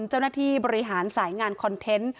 เจ้าหน้าที่บริหารสายงานคอนเทนต์